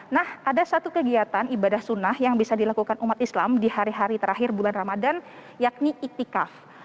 nah ada satu kegiatan ibadah sunnah yang bisa dilakukan umat islam di hari hari terakhir bulan ramadan yakni iktikaf